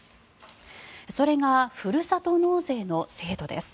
それがふるさと納税の制度です。